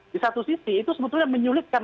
di satu sisi itu sebetulnya menyulitkan